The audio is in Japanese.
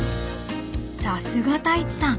［さすが太一さん。